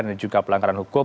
dan juga pelanggaran hukum